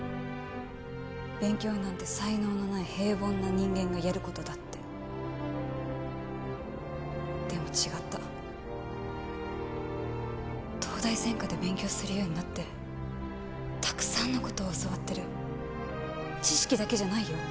勉強なんて才能のない平凡な人間がやることだってでも違った東大専科で勉強するようになってたくさんのことを教わってる知識だけじゃないよ